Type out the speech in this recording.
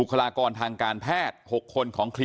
อันนี้มันต้องมีเครื่องชีพในกรณีที่มันเกิดเหตุวิกฤตจริงเนี่ย